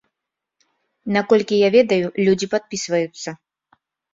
Наколькі я ведаю, людзі падпісваюцца.